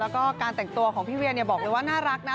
แล้วก็การแต่งตัวของพี่เวียบอกเลยว่าน่ารักนะ